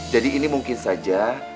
jadi ini mungkin saja